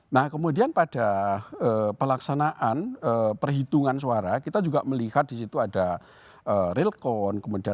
nah kemudian pada pelaksanaan perhitungan suara kita juga melihat disitu ada relkon